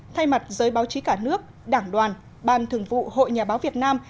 thay mặt giới báo chí cả nước đảng đoàn ban thường vụ hội nhà báo việt nam